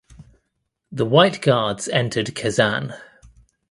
The White Guards entered Kazan.